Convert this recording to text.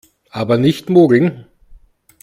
Aber nicht mogeln!